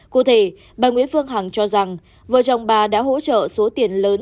cụ thể bà nguyễn phương hằng cho rằng vợ chồng bà đã hỗ trợ số tiền lớn